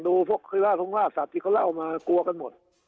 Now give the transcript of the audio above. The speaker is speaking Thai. ดูพวกฮิราชฮงราชศาติที่เขาเล่ามากลัวกันหมด